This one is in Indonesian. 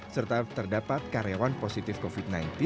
serta terdapat karyawan positif covid sembilan belas